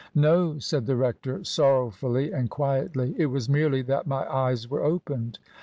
"No," said the rector, sorrowfully and quietly; "it was merely that my eyes were opened.